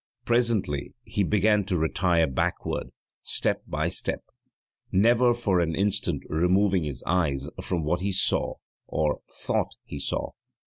Presently he began to retire backward, step by step, never for an instant removing his eyes from what he saw, or thought he saw.